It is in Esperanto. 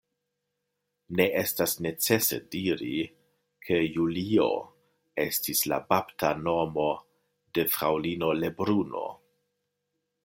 Ne estas necese diri, ke Julio estis la baptanomo de Fraŭlino Lebruno.